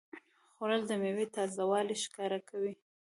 خوړل د میوې تازهوالی ښکاره کوي